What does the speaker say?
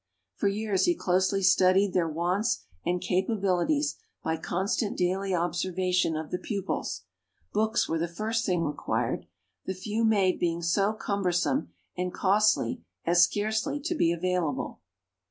For years he closely studied their wants and capabilities by constant daily observation of the pupils. Books were the first thing required; the few made being so cumbersome and costly as scarcely to be available.